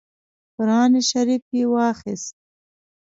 قران شریف یې واخیست.